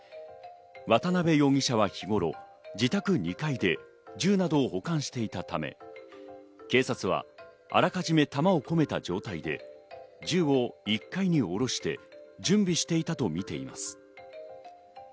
渡辺容疑者は日頃、自宅の２階で銃などを保管していたため、警察はあらかじめ弾を込めた状態で銃を１階に下ろして準備していたとみています。